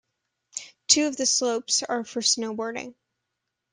Two of the slopes are for snowboarding.